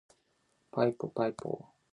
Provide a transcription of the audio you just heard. Himoz cohpsiimj aha.